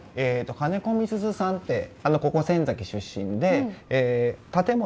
金子みすゞさんってここ仙崎出身で建物。